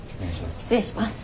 失礼します。